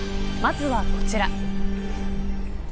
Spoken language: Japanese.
まずはこちら。